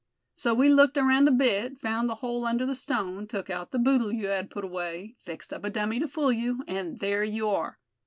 So we looked around a bit, found the hole under the stone, took out the boodle you had put away, fixed up a dummy to fool you; and there you are.